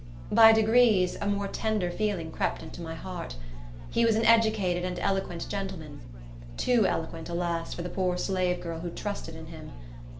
By degrees, a more tender feeling crept into my heart. He was an educated and eloquent gentleman; too eloquent, alas, for the poor slave girl who trusted in him.